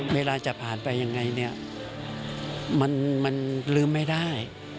เวลาจะผ่านไปยังไงเนี่ยมันลืมไม่ได้